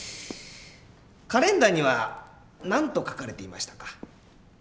カレンダーには何と書かれていましたか？